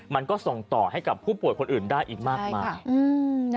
มันก็ส่งต่อให้กับผู้ป่วยคนอื่นได้อีกมากมาย